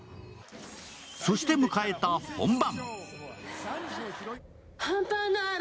そして迎えた本番。